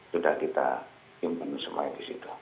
sudah kita impon semuanya disitu